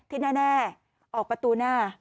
ที่แน่ออกประตูหน้า